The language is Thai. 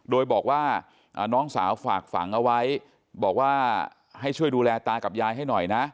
โดยบอกว่าน้องสาวฝากฝังเอาไว้บอกว่าให้ช่วยดูแลตากับยายให้หน่อยนะ